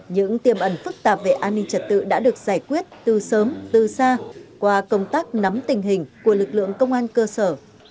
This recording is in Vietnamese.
những tiềm ẩn phức tạp về an ninh trật tự đã được giải quyết từ sớm từ xa qua công tác nắm tình hình của lực lượng công an cơ sở